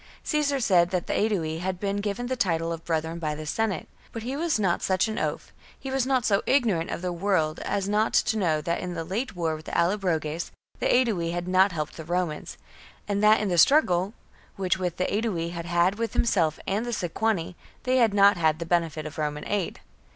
Caesar said that the Aedui had been given the title of Brethren by the Senate ; but he was not such an oaf, he was not so ignorant of the world as not to know that in the late war with the Allobroges the Aedui had not helped the Romans, and that in the struggle which the Aedui had had with himself and the Sequani, they had not had the benefit of Roman aid.